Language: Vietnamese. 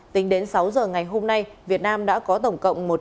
tính đến lúc sáu giờ ngày hôm nay của ban chỉ đạo quốc gia phòng chống dịch